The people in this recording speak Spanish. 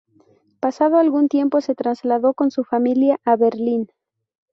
Pasado algún tiempo, se trasladó con su familia a Berlín.